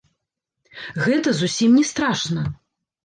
Гэта зусім не страшна!